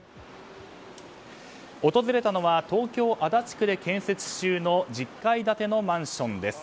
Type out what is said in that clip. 訪れたのは東京・足立区で建設中の１０階建てのマンションです。